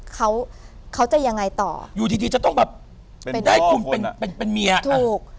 เขาก็ช็อก